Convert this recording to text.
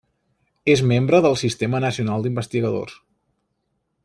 És membre del Sistema Nacional d'Investigadors.